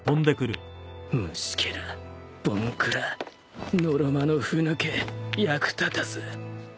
虫けらぼんくらのろまのふ抜け役立たず